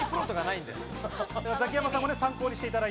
ザキヤマさんも参考にしてください。